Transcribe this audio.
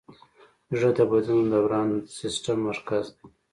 زړه د بدن د دوران سیسټم مرکز دی.